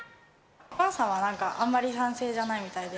お母さんはあんまり賛成じゃないみたいで。